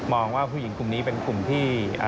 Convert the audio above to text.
ว่าผู้หญิงกลุ่มนี้เป็นกลุ่มที่